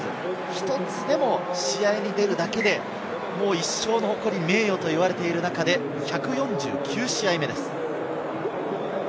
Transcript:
１つでも試合に出るだけで、一生の誇り、名誉と言われている中で１４９試合目です。